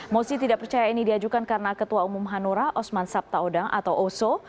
mosi tidak percaya ini diajukan karena ketua umum hanura osman sabtaodang atau oso